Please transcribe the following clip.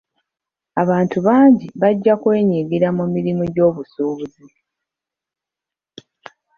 Abantu bangi bajja kwenyigira mu mirimu gy'obusuubuzi.